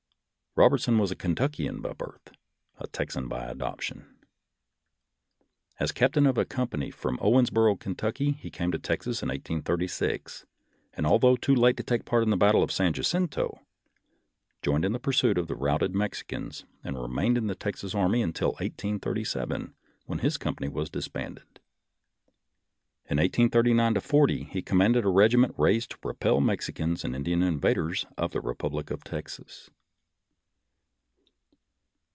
Robertson was a Kentuckian by birth, a Texan by adoption. As captain of a company from Owensboro, Kentucky, he came to Texas in 1836, and, although too late to take part in the battle of San Jacinto, joined in the pursuit of the routed Mexicans, and remained in the Texas army until 1837, when his company was dis banded. In 1839 40 he commanded a regiment raised to repel Mexicans and Indian invaders of the Republic of Texas.